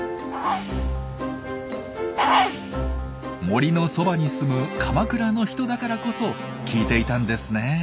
森のそばに住む鎌倉の人だからこそ聞いていたんですね。